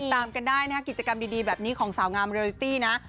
ตามกันได้นะครับกิจกรรมดีแบบนี้ของสาวงามเรลิตี้นะ